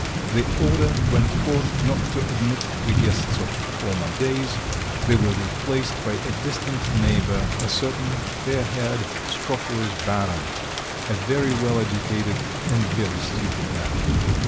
The order went forth not to admit the guests of former days; they were replaced by a distant neighbour, a certain fair haired, scrofulous baron, a very well educated and very stupid man.